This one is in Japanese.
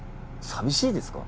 寂しいですか？